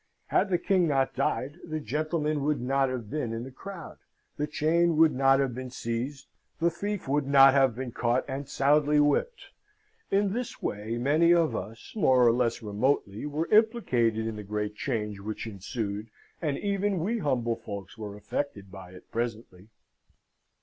Had the king not died, the gentleman would not have been in the crowd; the chain would not have been seized; the thief would not have been caught and soundly whipped: in this way many of us, more or less remotely, were implicated in the great change which ensued, and even we humble folks were affected by it presently.